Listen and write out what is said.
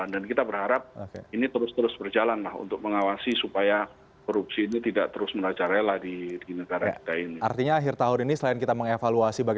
dan kita berharap banget kpk masih ada di ujung